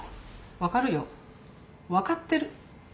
分かるよ分かってる。